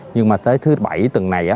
nhưng mà tới thứ bảy tuần này